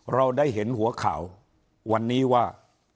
เราได้เห็นหัวข่าววันนี้ว่า